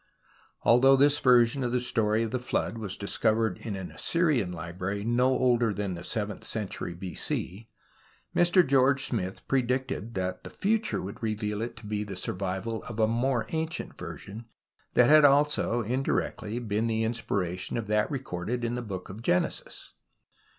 Although this version of the Story of the Flood was discovered in an Assyrian library no older tlian the seventh century B.C., Mr George Smith predicted tliat tlie future would reveal it to be tlie survi\'al of a more ancient version tliat had also in directly been the inspiration of that recorded in the Book of Genesis.